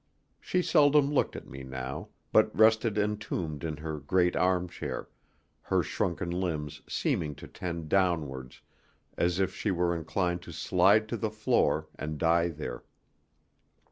She seldom looked at me now, but rested entombed in her great armchair, her shrunken limbs seeming to tend downwards, as if she were inclined to slide to the floor and die there.